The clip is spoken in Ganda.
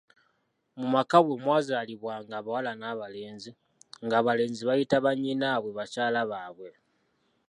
"Mu maka bwe mwazaalibwanga abawala n’abalenzi, nga abalenzi bayita bannyinaabwe bakyala baabwe."